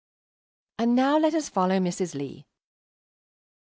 And now let us follow Mrs. Lee.